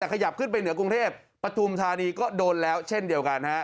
แต่ขยับขึ้นไปเหนือกรุงเทพปฐุมธานีก็โดนแล้วเช่นเดียวกันฮะ